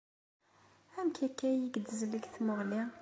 Amek akka i ak-d-tezleg tmuɣli.